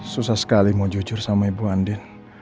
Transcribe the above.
susah sekali mau jujur sama ibu andi